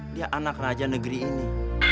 dia anak raja negeri ini